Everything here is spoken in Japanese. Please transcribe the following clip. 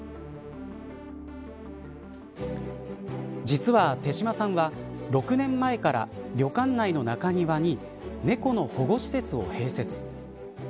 実は手島さんは６年前から旅館内の中庭に猫の保護施設を併設。